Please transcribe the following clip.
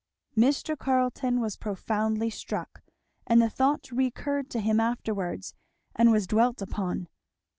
'" Mr. Carleton was profoundly struck, and the thought recurred to him afterwards and was dwelt upon.